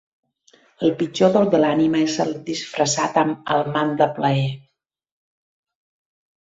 El pitjor dol de l'ànima és el disfressat amb el mant del plaer.